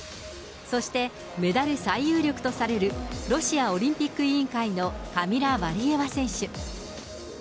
そしてメダル最有力とされるロシアオリンピック委員会のカミラ・ワリエワ選手。